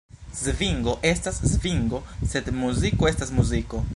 Svingo estas svingo, sed muziko estas muziko!